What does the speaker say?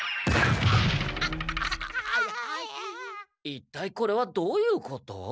一体これはどういうこと？